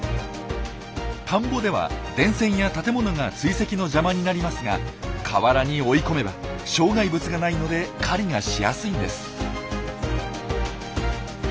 田んぼでは電線や建物が追跡の邪魔になりますが河原に追い込めば障害物が無いので狩りがしやすいんです。